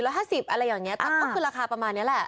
อะไรอย่างนี้ก็คือราคาประมาณนี้แหละ